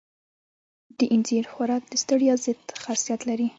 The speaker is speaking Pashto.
د اینځر خوراک د ستړیا ضد خاصیت لري.